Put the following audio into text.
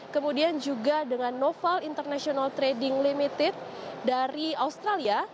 kemudian juga dengan noval international trading limited dari australia